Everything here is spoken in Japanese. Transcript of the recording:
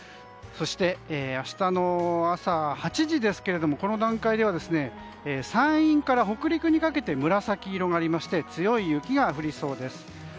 そして、明日の朝８時ですがこの段階では山陰から北陸にかけて紫色がありまして強い雪が降りそうです。